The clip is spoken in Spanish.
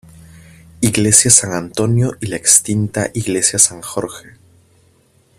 Iglesia San Antonio y la extinta Iglesia San Jorge.